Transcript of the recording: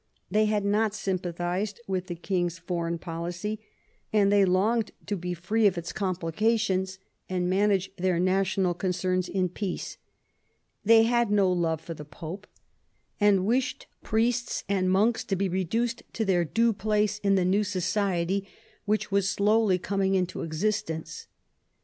They had not sympathised with the King's foreign policy, and they longed to be free from its complications, and manage their national concerns in peace. They had no love for the Pope, and wished priests and monks to be reduced to their due place in the new society which was slowly coming into existence.